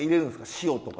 塩とか。